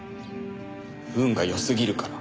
運が良すぎるから。